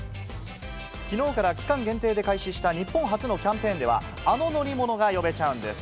昨日から期間限定で開始した日本初のキャンペーンでは、あの乗り物が呼べちゃうんです。